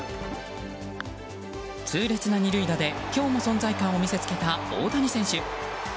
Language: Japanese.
痛烈な２塁打で、今日も存在感を見せつけた大谷選手。